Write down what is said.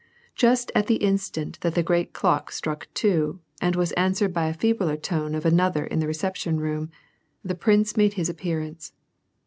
Just at tlie instant that the great clock struck two, and was answered by the feebler tone of another in the reception room, the prince made his appearance.